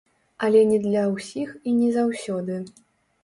Але не для ўсіх і не заўсёды.